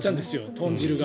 豚汁が。